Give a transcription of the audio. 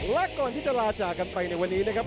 และก่อนที่จะลาจากกันไปในวันนี้นะครับ